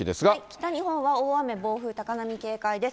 北日本は大雨、暴風、高波警戒です。